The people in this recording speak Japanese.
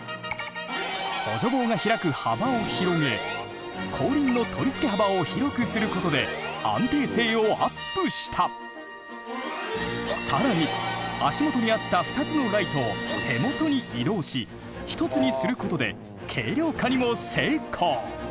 補助棒が開く幅を広げ後輪の取り付け幅を広くすることで更に足元にあった２つのライトを手元に移動し一つにすることで軽量化にも成功！